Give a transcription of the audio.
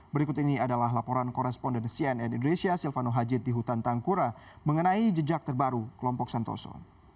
berikut ini adalah laporan koresponden cnn indonesia silvano hajid di hutan tangkura mengenai jejak terbaru kelompok santoso